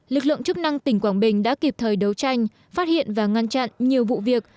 lực lượng chức năng tỉnh quảng bình đã kịp thời đấu tranh phát hiện và ngăn chặn nhiều vụ việc